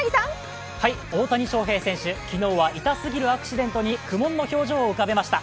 大谷翔平選手、昨日は痛すぎるアクシデントに苦悶の表情を浮かべました。